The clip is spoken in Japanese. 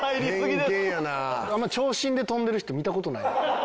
あんまり長身で飛んでる人見た事ない。